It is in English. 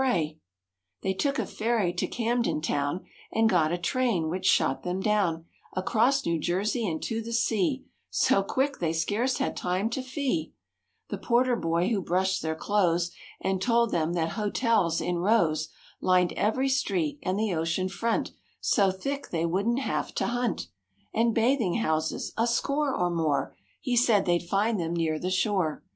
THE BEARS SPEND A DAY AT ATLANTIC CITY 99 They took a ferry to Camden town And got a train which shot them down Across New Jersey and to the sea So quick they scarce had time to fee The porter boy who brushed their clothes And told them that hotels in rows Lined every street and the ocean front So thick they wouldn't have to hunt. 1 Pi And bathing houses, a score or more. He said they'd find them near the shore.